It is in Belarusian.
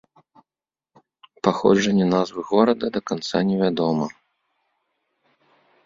Паходжанне назвы горада да канца невядома.